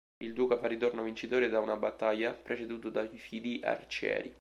Il duca fa ritorno vincitore da una battaglia, preceduto dai fidi arcieri.